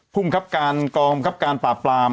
ภูมิครับงกลมครับการปราปราม